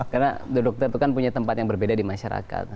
karena dokter itu kan punya tempat yang berbeda di masyarakat